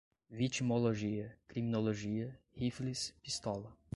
vitimologia, criminologia, rifles, pistola